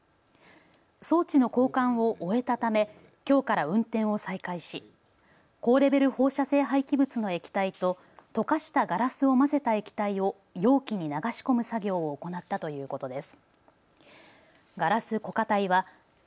装置の交換を終えたためきょうから運転を再開し高レベル放射性廃棄物の液体と溶かしたガラスを混ぜた液体を容器に流し込む作業を行ったということです。